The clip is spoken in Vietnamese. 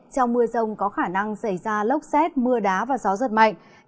trong mưa rông có khả năng xảy ra lốc xét mưa đá và gió giật mạnh